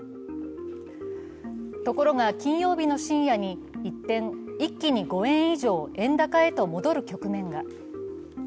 ところが金曜日の深夜に一転、一気に５円以上円高へと戻る局面が。